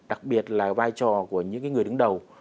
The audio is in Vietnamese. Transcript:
đặc biệt là vai trò của những người đứng đầu